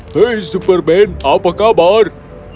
hei super ben apa kabar